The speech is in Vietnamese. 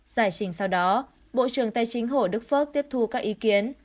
giải trình sau đó bộ trưởng tài chính hồ đức phước tiếp thu các ý kiến